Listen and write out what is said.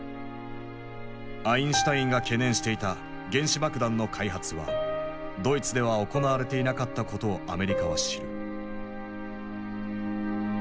アインシュタインが懸念していた原子爆弾の開発はドイツでは行われていなかったことをアメリカは知る。